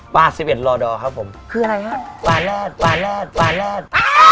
สิบเอ็ดรอดอครับผมคืออะไรฮะปลาแรดปลาแรดปลาแรด